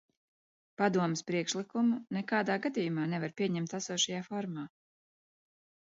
Padomes priekšlikumu nekādā gadījumā nevar pieņemt esošajā formā.